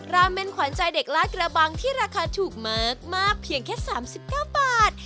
ราเมนขวานใจเด็กลาดกระบังที่ราคาถูกมากมากเพียงแค่สามสิบเก้าบาท